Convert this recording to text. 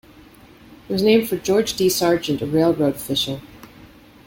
It was named for George D. Sargent, a railroad official.